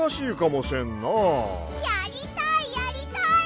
やりたいやりたい！